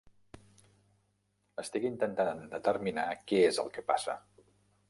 Estic intentant determinar què és el que passa.